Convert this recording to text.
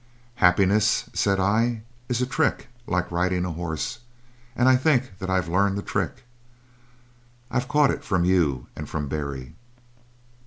"'Happiness,' said I, 'is a trick, like riding a horse. And I think that I've learned the trick. I've caught it from you and from Barry.'